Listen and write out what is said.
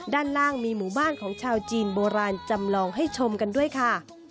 ด้านล่างมีหมู่บ้านของชาวจีนโบราณจำลองให้ชมกันด้วยค่ะ